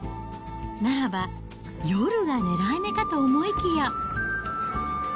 ならば、夜が狙い目かと思いきや。